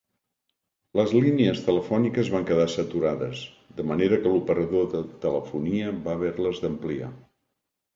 Les línies telefòniques van quedar saturades, de manera que l'operador de telefonia va haver-les d'ampliar.